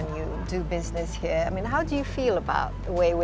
anda sudah hidup di bali selama lama